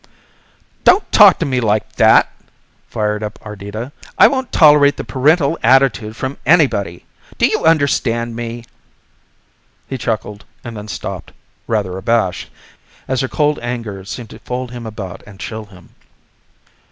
"Don't talk to me like that!" fired up Ardita. "I won't tolerate the parental attitude from anybody! Do you understand me?" He chuckled and then stopped, rather abashed, as her cold anger seemed to fold him about and chill him.